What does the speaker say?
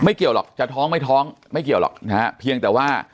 เกี่ยวหรอกจะท้องไม่ท้องไม่เกี่ยวหรอกนะฮะเพียงแต่ว่า